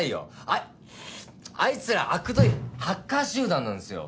ああいつらあくどいハッカー集団なんですよ。